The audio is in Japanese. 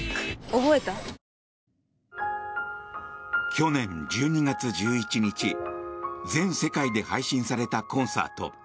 去年１２月１１日全世界で配信されたコンサート。